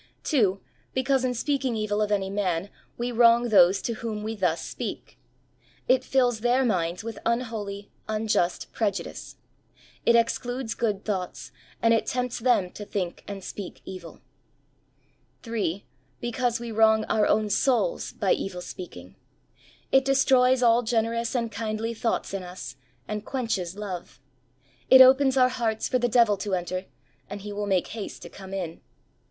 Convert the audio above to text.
2. Because in speaking evil of any man we wrong those to whom we thus speak. It fills their minds with unholy, unjust prejudice. It excludes good thoughts, and it tempts them to think and speak evil. 3. Because we wrong our own souls by evil speaking. It destroys all generous and kindly thoughts in us, and quenches love. It opens our hearts for the devil to enter, and he will make haste to come in.